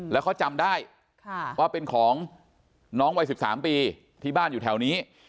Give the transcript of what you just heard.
แล้วเขาจำได้ว่าเป็นของน้องวัย๑๓ปีที่บ้านอยู่แถวนี้